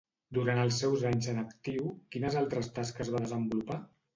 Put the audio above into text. Durant els seus anys en actiu, quines altres tasques va desenvolupar?